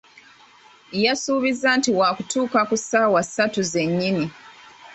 Yasuubiza nti waakutuuka ku ssaawa ssatu ze nnyini.